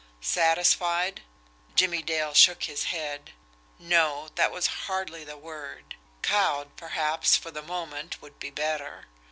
Satisfied? Jimmie Dale shook his head. No; that was hardly the word cowed, perhaps, for the moment, would be better.